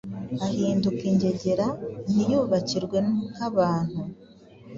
Ahinduka ingegera Ntiyubakirwe nk'abantu,